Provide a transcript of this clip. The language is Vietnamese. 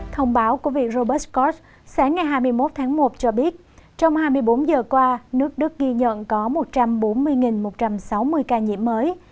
thông báo của việc robert scott sáng ngày hai mươi một tháng một cho biết trong hai mươi bốn giờ qua nước đức ghi nhận có một trăm bốn mươi một trăm sáu mươi ca nhiễm mới